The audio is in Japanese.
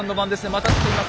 また撃っています